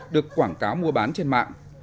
được quảng cáo mua bán trên mạng